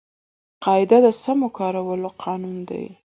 قاعده د سمو کارولو قانون دئ.